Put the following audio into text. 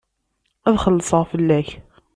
Ad xellṣeɣ fell-ak.